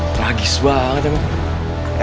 tragis banget ya